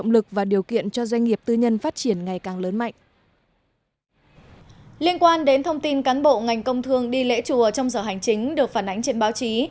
liên quan đến thông tin cán bộ ngành công thương đi lễ chùa trong giờ hành chính được phản ánh trên báo chí